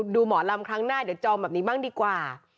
หมอลำครั้งหน้าเดี๋ยวจองแบบนี้บ้างดีกว่า